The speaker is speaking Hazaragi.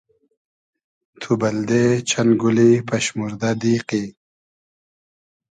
تو بئلدې چئن گولی پئشموردۂ دیقی؟